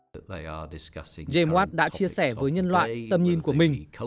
james watt đã chia sẻ với nhân loại tầm nhìn của mình